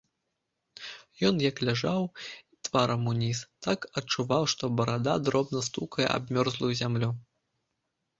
Ён як ляжаў тварам уніз, так адчуваў, што барада дробна стукае аб мёрзлую зямлю.